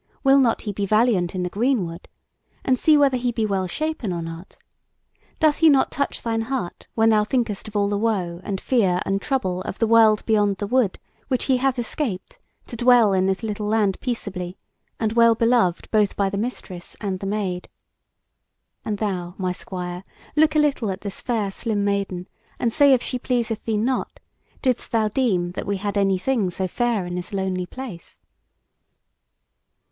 Will not he be valiant in the greenwood? And see whether he be well shapen or not. Doth he not touch thine heart, when thou thinkest of all the woe, and fear, and trouble of the World beyond the Wood, which he hath escaped, to dwell in this little land peaceably, and well beloved both by the Mistress and the Maid? And thou, my Squire, look a little at this fair slim Maiden, and say if she pleaseth thee not: didst thou deem that we had any thing so fair in this lonely place?"